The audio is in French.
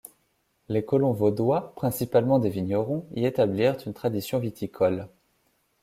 Les colons vaudois, principalement des vignerons, y établirent une tradition viticole.